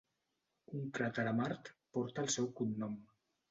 Un cràter a Mart porta el seu cognom.